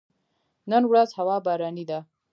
نن ورځ هوا باراني ده